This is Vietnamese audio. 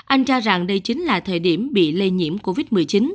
anh cho rằng đây chính là thời điểm bị lây nhiễm covid một mươi chín